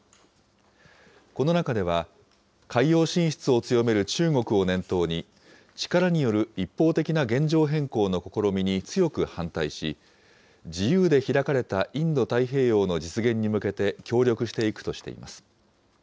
この中では、海洋進出を強める中国を念頭に、力による一方的な現状変更の試みに強く反対し、自由で開かれたインド太平洋の実現に向けて協力していくとしています。